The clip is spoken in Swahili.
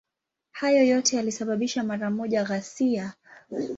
Hayo yote yalisababisha mara moja ghasia.